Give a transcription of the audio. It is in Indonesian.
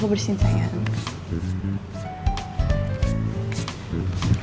aku bersihin sayang